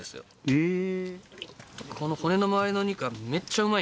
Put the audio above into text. へえ。